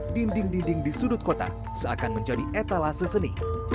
dinding dinding di sudut kota seakan menjadi etalase seni